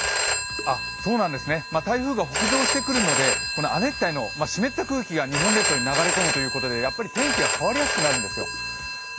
台風が北上してくるので、亜熱帯の湿った空気が日本列島に流れ込むということで、やっぱり天気が変わりやすくなるんですよ。